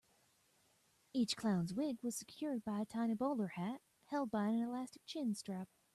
Each clown's wig was secured by a tiny bowler hat held by an elastic chin-strap.